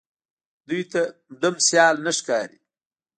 دوی ته ډم سيال نه ښکاري